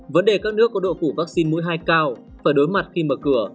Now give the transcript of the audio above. vấn đề các nước có độ phủ vaccine mũi hai cao phải đối mặt khi mở cửa